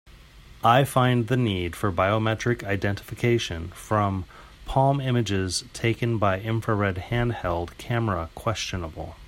I find the need for biometric identification from palm images taken by infrared handheld camera questionable.